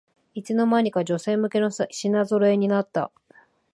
いつの間にか女性向けの品ぞろえになった